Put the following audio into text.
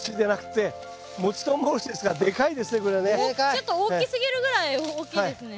ちょっと大きすぎるぐらい大きいですね。